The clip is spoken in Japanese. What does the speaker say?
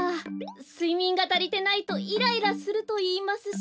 すいみんがたりてないとイライラするといいますし。